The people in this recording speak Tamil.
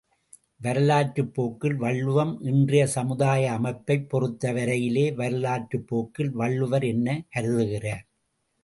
வரலாற்றுப் போக்கில் வள்ளுவம் இன்றையச் சமுதாய அமைப்பைப் பொறுத்த வரையிலே வரலாற்றுப் போக்கில் வள்ளுவர் என்ன கருதுகிறார்.